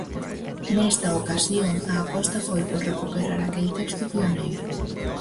Nesta ocasión, a aposta foi por recuperar aquel texto pioneiro.